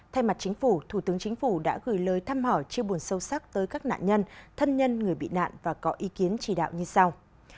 thay mặt chính phủ thủ tướng chính phủ đã gửi lời thăm hỏi chiêu buồn sâu sắc tới các nạn nhân thân nhân người bị nạn và có ý kiến chỉ đạo như sau